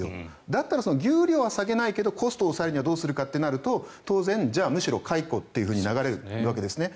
だったら、給料は下げないけどコストを抑えるにはどうするかとなると当然、むしろ解雇というふうに流れるわけですね。